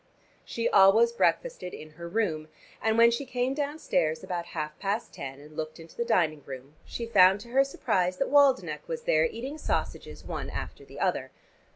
She always breakfasted in her room, and when she came downstairs about half past ten, and looked into the dining room, she found to her surprise that Waldenech was there eating sausages one after the other.